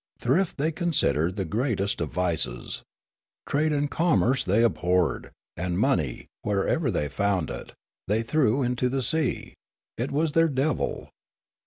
Thrift they considered the greatest of vices. Trade and commerce they abhorred, and money, wher ever they found it, they threw into the sea ; it was their devil.